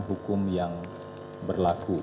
hukum yang berlaku